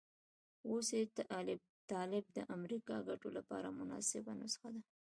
اوس چې طالب د امریکا ګټو لپاره مناسبه نسخه ده.